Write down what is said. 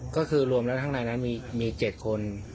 ก็คือรวมแล้วทั้งนั้นนั่นมี๗คน